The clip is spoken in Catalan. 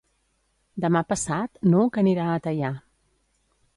Demà passat n'Hug anirà a Teià.